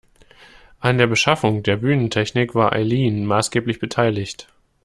An der Beschaffung der Bühnentechnik war Eileen maßgeblich beteiligt.